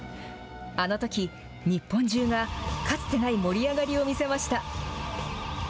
あのとき、日本中が、かつてない盛り上がりを見せました。